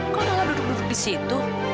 kok malah duduk duduk di situ